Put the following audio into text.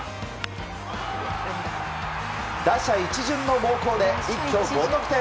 打者一巡の猛攻で一挙５得点。